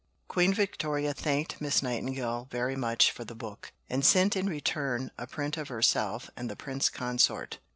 Queen Victoria "thanked Miss Nightingale very much for the book," and sent in return a print of herself and the Prince Consort.